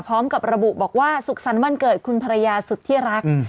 พร้อมกับระบุบอกว่าสุขสรรค์วันเกิดคุณภรรยาสุดที่รัก